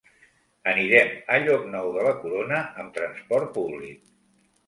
Anirem a Llocnou de la Corona amb transport públic.